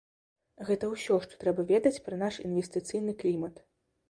Гэта ўсё, што трэба ведаць пра наш інвестыцыйны клімат.